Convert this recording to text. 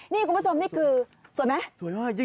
นี่คุณผู้ชมนี่คือสวยไหม